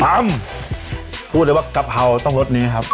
พูดเลยว่ากะเพราต้องรสนี้ครับ